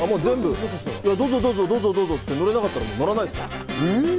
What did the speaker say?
どうぞ、どうぞ、どうぞって、乗れなかったら乗らないです。